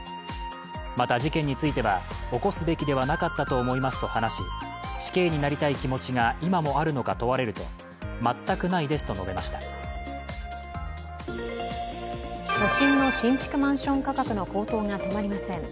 また事件については起こすべきではなかったと思いますと話し死刑になりたい気持ちが今もあるのか問われると都心の新築マンション価格の高騰が止まりません。